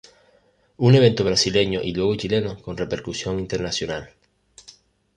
Un evento brasileño y luego chileno, con repercusión internacional.